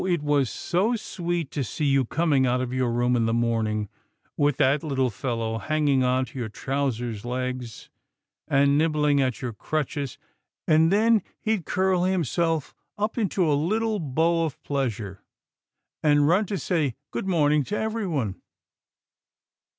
it was so sweet to see you coming out of your room in the morning, with that Httle fellow hanging on to your trousers' legs, and nibbling at your crutches — and then he'd curl himself up into a little bow of pleasure, and run to say good morning to every one.